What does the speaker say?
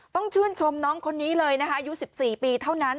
ต้องชื่นชมน้องคนนี้เลยนะคะอายุ๑๔ปีเท่านั้น